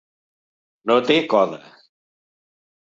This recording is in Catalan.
No té coda.